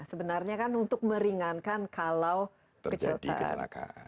sebenarnya kan untuk meringankan kalau kecelakaan